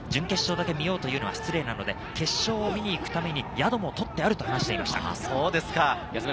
準決勝だけ見ようというのは失礼なので、決勝を見に行くために宿も取ってあると話しています。